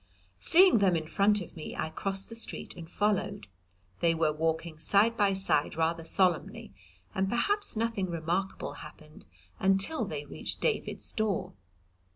Seeing them in front of me, I crossed the street and followed. They were walking side by side rather solemnly, and perhaps nothing remarkable happened until they reached David's door.